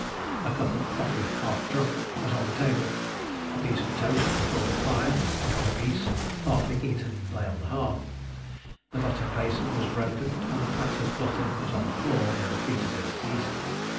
A cup of coffee, half drunk, was on the table, a piece of toast before the fire, another piece, partly eaten, lay on the hearth, the butter bason was broken, and the pat of butter was on the floor near the feet of the deceased.